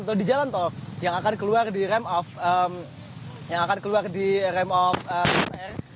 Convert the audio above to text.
atau di jalan tau yang akan keluar di rem off dpr